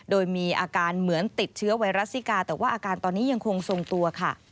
โดยมีอาการเหมือนติดเชื้อไวรัสซิกาแต่ว่าอาการตอนนี้ยังคงทรงตัวค่ะ